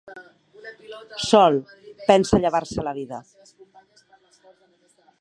Sol, pensa llevar-se la vida.